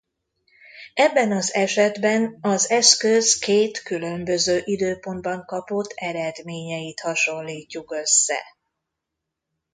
Ebben az esetben az eszköz két különböző időpontban kapott eredményeit hasonlítjuk össze.